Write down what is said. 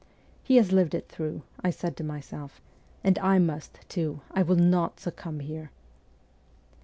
' He has lived it through,' I said to myself, ' and I must, too ; I will not succumb here